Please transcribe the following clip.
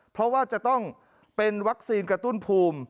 เพราะว่าจะต้องเป็นวัคซีนกระตุ้นภูมิ